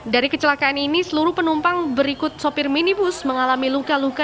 dari kecelakaan ini seluruh penumpang berikut sopir minibus mengalami luka luka